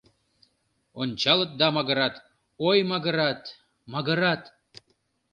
Ончалыт да магырат, ой, магырат, магырат.